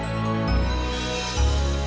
kamu nggak ngejar sesuatu gitu deh